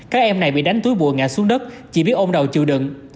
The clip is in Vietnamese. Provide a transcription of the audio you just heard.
các em này bị đánh túi bùa ngã xuống đất chỉ biết ôm đầu chịu đựng